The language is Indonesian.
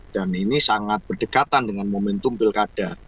dan ini sangat berdekatan dengan momentum pilkada